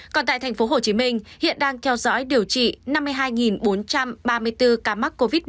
còn tại tp hcm hiện đang theo dõi điều trị năm mươi hai bốn trăm ba mươi bốn ca mắc covid một mươi chín